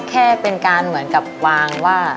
แค่เป็นการเหมือนกับวางว่า